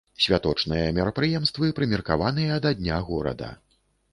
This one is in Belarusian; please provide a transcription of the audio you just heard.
Святочныя мерапрыемствы прымеркаваныя да дня горада.